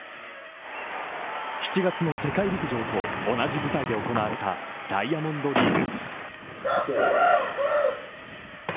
７月の世界陸上と同じ舞台で行われたダイヤモンドリーグ。